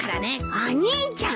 お兄ちゃん！